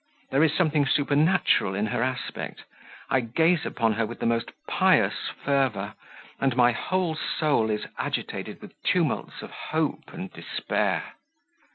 There is something supernatural in her aspect: I gaze upon her with the most pious fervour, and my whole soul is agitated with tumults of hope and despair!"